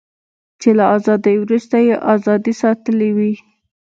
چې له ازادۍ وروسته یې ازادي ساتلې وي.